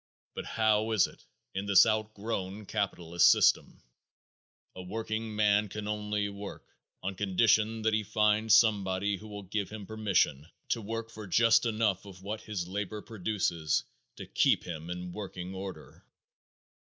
But how is it in this outgrown capitalist system? A workingman can only work on condition that he finds somebody who will give him permission to work for just enough of what his labor produces to keep him in working order.